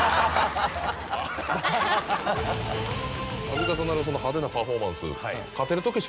度重なるその派手なパフォーマンス。